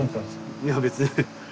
いや別に。